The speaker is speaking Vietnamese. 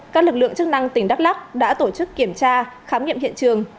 các lực lượng chức năng tỉnh đắk lắc đã tổ chức kiểm tra khám nghiệm hiện trường